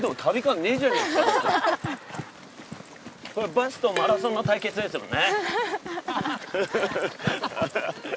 バスとマラソンの対決ですもんね。